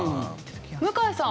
向井さん